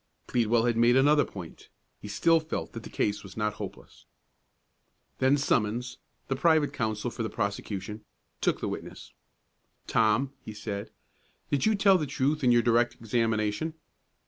Pleadwell had made another point. He still felt that the case was not hopeless. Then Summons, the private counsel for the prosecution, took the witness. "Tom," he said, "did you tell the truth in your direct examination?"